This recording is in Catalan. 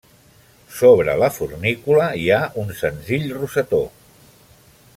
Sobre la fornícula hi ha un senzill rosetó.